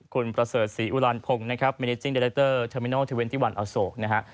คุณประเสริฐศรีอุลานพงศ์มีเน็ตจิ้งเดร็กเตอร์เทอร์มินัลที่๒๑อาโศก